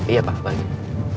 iya pak baik